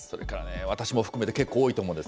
私も含めて結構多いと思うんです。